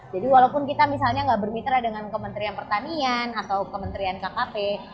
jadi walaupun kita misalnya gak bermitra dengan kementerian pertanian atau kementerian kkp